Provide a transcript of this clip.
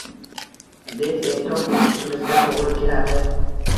deb e’tirof etishimizga to‘g‘ri keladi.